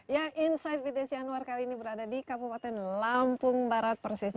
berita terkini mengenai cuaca ekstrem dua ribu dua puluh satu